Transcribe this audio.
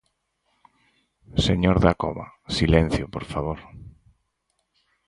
Señor Dacova, silencio, ¡por favor!